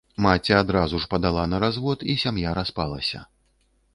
Маці адразу ж падала на развод, і сям'я распалася.